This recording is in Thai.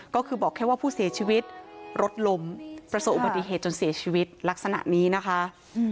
ก็คือบอกแค่ว่าผู้เสียชีวิตรถล้มประสบอุบัติเหตุจนเสียชีวิตลักษณะนี้นะคะ